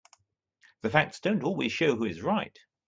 The facts don't always show who is right.